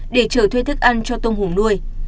để trở thuê thức ăn cho tôm hùng nuôi